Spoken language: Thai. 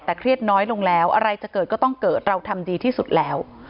แต่เครียดน้อยลงแล้วอะไรจะเกิดก็ต้องเกิดเราทำดีที่สุดแล้ว